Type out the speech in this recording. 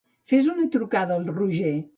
Fes una trucada al Roger.